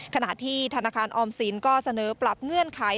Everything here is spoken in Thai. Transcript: ขณะที่ธนาคารออมสินก็เสนอปรับเงื่อนไข